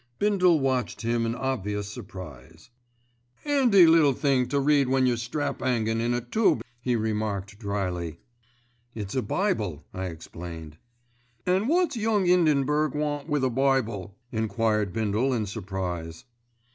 Bindle watched him in obvious surprise. "'Andy little thing to read when yer strap 'angin' in a toobe," he remarked drily. "It's a bible," I explained. "An' wot's Young 'Indenburg want with a bible?" enquired Bindle in surprise.